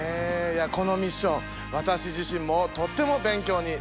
このミッション私自身もとっても勉強になりました。